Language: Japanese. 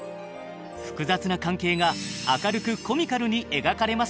複雑な関係が明るくコミカルに描かれます。